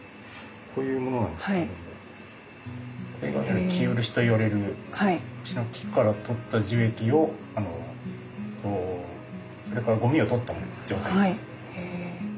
こういうものなんですけどもこれがね生漆といわれる漆の木から取った樹液をそれからゴミを取った状態です。